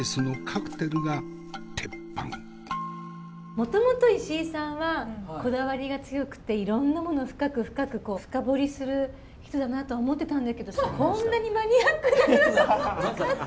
もともと石井さんはこだわりが強くていろんなものを深く深くこう深掘りする人だなと思ってたんだけどこんなにマニアックな人だとは思わなかった。